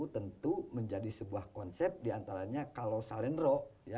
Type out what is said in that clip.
tentu menjadi sebuah konsep diantaranya kalau salendro